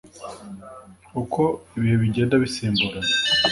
uko ibihe bigenda bisimburana.